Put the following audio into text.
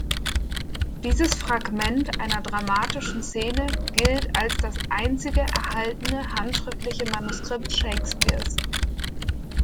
Dieses Fragment einer dramatischen Szene gilt als das einzige erhaltene handschriftliche Manuskript Shakespeares.